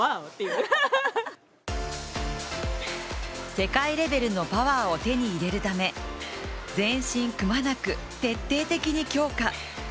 世界レベルのパワーを手に入れるため全身くまなく徹底的に強化。